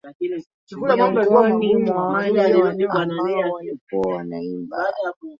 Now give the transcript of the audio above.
miongoni mwa wale ambao walikuwa wanaimba